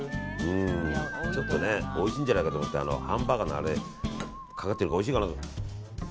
ちょっとねおいしいんじゃないかと思ってハンバーガーにかかっているからおいしいかなと。